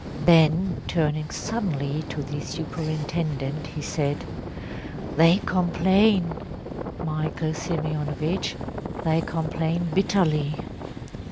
‚ÄĚ Then turning suddenly to the superintendent he said: “They complain, Michael Simeonovitch! They complain bitterly.